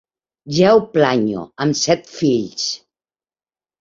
Ja el planyo, amb set fills!